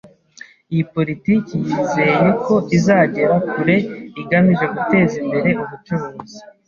Iyi politiki yizeye ko izagera kure igamije guteza imbere ubucuruzi.